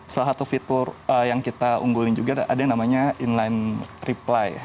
salah satu fitur yang kita unggulin juga ada yang namanya inline reply